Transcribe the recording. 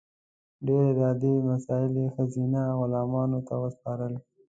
ډېر اداري مسایل یې ښځینه غلامانو ته وسپارل.